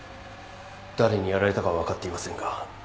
誰にやられたかは分かっていませんが。